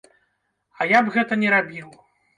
А я б гэта не рабіў!